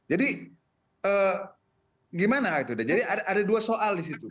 jadi gimana jadi ada dua soal di situ